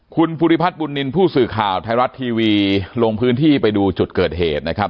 คุณภูริพัฒน์บุญนินทร์ผู้สื่อข่าวไทยรัฐทีวีลงพื้นที่ไปดูจุดเกิดเหตุนะครับ